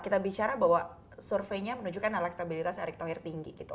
kita bicara bahwa surveinya menunjukkan elektabilitas erick thohir tinggi gitu